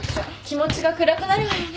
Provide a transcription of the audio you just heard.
気持ちが暗くなるわよね